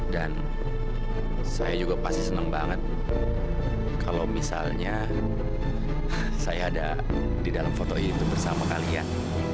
dan saya juga pasti seneng banget kalau misalnya saya ada di dalam foto itu bersama kalian